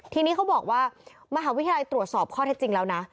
ทีนี้เขาบอกว่ามหาวิทยาลัยตรวจสอบข้อเท็จจริงแล้วนะ